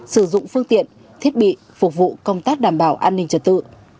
sử dụng phương tiện thiết bị phục vụ công tác đảm bảo an ninh trật tự